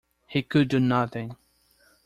He could do nothing.